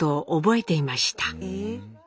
え？